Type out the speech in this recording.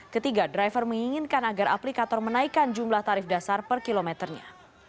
ketiga driver menginginkan agar aplikator menaikkan jumlah tarif dasar per kilometernya